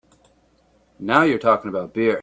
Now you are talking about beer!